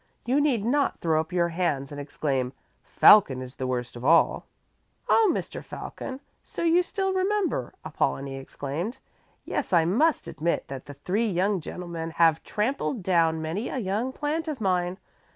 You need not throw up your hands and exclaim: 'Falcon is the worst of all.'" "Oh, Mr. Falcon, so you still remember," Apollonie exclaimed. "Yes, I must admit that the three young gentlemen have trampled down many a young plant of mine.